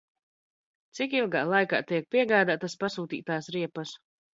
Cik ilgā laikā tiek piegādātas pasūtītās riepas?